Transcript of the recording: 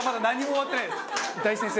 大先生！